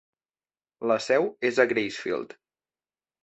La seu és a Gracefield.